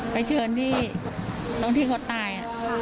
ไปเชิญที่ตรงที่เขาตาย